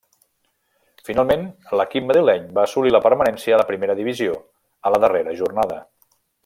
Finalment, l'equip madrileny va assolir la permanència a la primera divisió a la darrera jornada.